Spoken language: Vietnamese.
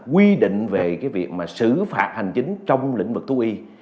quy định về cái việc mà xử phạt hành chính trong lĩnh vực thú y